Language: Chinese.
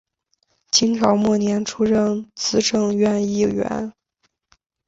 清朝末年出任资政院议员。